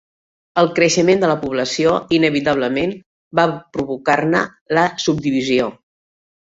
El creixement de la població inevitablement va provocar-ne la subdivisió.